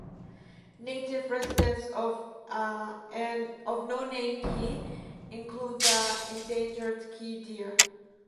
Native residents of No Name Key include the endangered Key deer.